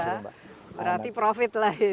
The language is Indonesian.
berarti profit lah ya